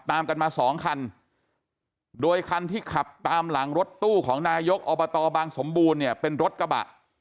ตามกันมาสองคันโดยคันที่ขับตามหลังรถตู้ของนายกอบตบางสมบูรณ์เนี่ยเป็นรถกระบะ